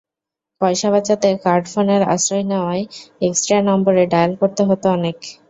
পয়সা বাঁচাতে কার্ড ফোনের আশ্রয় নেওয়ায় একস্ট্রা নম্বরে ডায়াল করতে হতো অনেক।